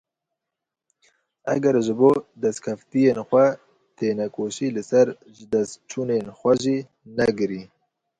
Eger ji bo destkeftiyên xwe tênekoşî, li ser jidestçûnên xwe jî negirî.